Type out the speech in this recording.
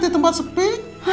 di tempat sepi